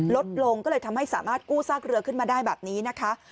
ลดลงก็เลยทำให้สามารถกู้ซากเรือขึ้นมาได้แบบนี้นะคะ